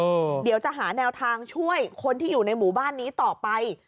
เดี๋ยวจะหาแนวทางช่วยคนที่อยู่ในหมู่บ้านนี้ต่อไป